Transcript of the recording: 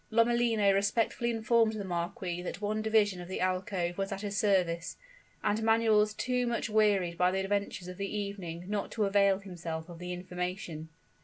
Lomellino respectfully informed the marquis that one division of the alcove was at his service; and Manuel was too much wearied by the adventures of the evening not to avail himself of the information.